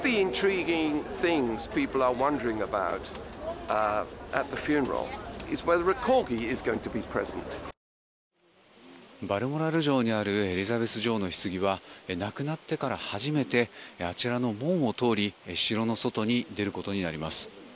バルモラル城にあるエリザベス女王のひつぎは亡くなってから初めてあちらの門を通り城の外に出ることになります。